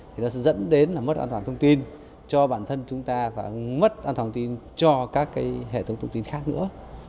thì nó sẽ dẫn đến mất an toàn thông tin cho bản thân chúng ta và mất an toàn thông tin cho các hệ thống thông tin khác nữa